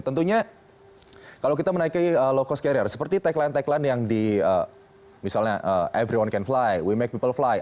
tentunya kalau kita menaiki low cost carrier seperti tagline tagline yang di misalnya every on can fly we make people fly